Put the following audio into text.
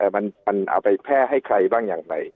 มันเอาไปแพร่ให้ใครบ้างอย่างไร